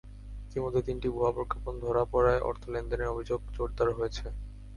ইতিমধ্যে তিনটি ভুয়া প্রজ্ঞাপন ধরা পড়ায় অর্থ লেনদেনের অভিযোগ জোরদার হয়েছে।